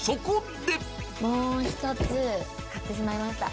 もう１つ買ってしまいました。